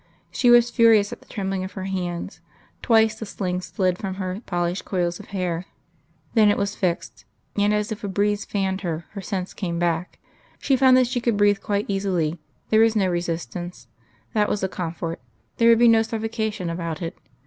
She was furious at the trembling of her hands; twice the spring slipped from her polished coils of hair.... Then it was fixed ... and as if a breeze fanned her, her sense came back.... She found she could breathe quite easily; there was no resistance that was a comfort; there would be no suffocation about it....